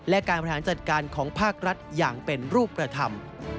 และการบริหารจัดการของภาครัฐอย่างเป็นรูปธรรม